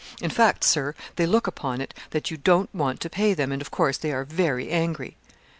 In fact, Sir, they look upon it that you don't want to pay them and of course, they are very angry.'